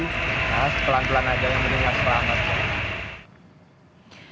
nah pelan pelan aja yang beningnya selamat